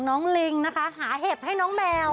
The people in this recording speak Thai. โอ้โห